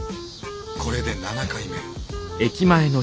これで７回目。